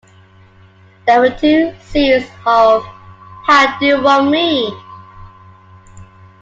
There were two series of How Do You Want Me?